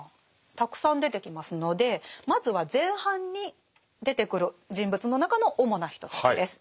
たくさん出てきますのでまずは前半に出てくる人物の中の主な人たちです。